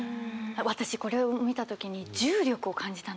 私これを見た時に重力を感じたんですよ。